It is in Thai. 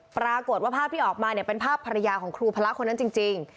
ปรากฏว่าภาพที่ออกมาเนี่ยเป็นภาพภรรยาของครูพระคนนั้นจริง